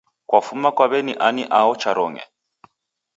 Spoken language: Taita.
Kwafuma kwa weni ani aho cha Rong'e